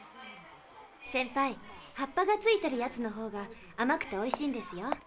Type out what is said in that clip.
センパイ葉っぱが付いてるやつの方があまくておいしいんですよ。